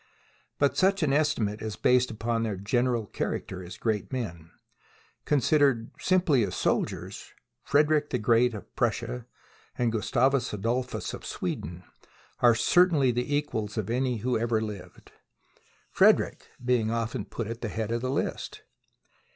But such an estimate is based upon their general character as great men. Considered simply as sol diers, Frederick the Great of Prussia and Gustavus Adolphus of Sweden are certainly the equals of any who ever lived, Frederick being often put at the head of the list.